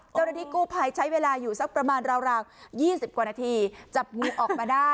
เจ้าหน้าที่กู้ภัยใช้เวลาอยู่สักประมาณราว๒๐กว่านาทีจับงูออกมาได้